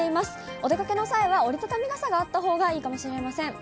お出かけの際は折り畳み傘があったほうがいいかもしれません。